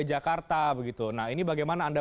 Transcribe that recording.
jakarta begitu nah ini bagaimana anda